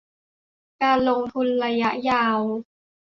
การลงทุนระยะยาว